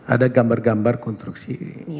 ada gambar gambar konstruksi